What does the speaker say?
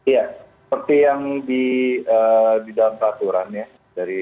ya seperti yang di dalam peraturan ya